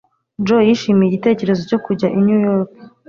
Joe yishimiye igitekerezo cyo kujya i New York.